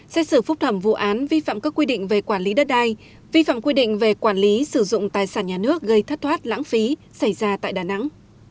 xét xử phúc thẩm vụ án vi phạm các quy định về quản lý đất đai vi phạm quy định về quản lý sử dụng tài sản nhà nước gây thất thoát lãng phí xảy ra tại đà nẵng